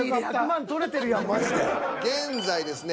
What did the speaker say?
現在ですね